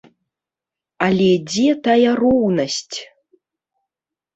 Але дзе тая роўнасць?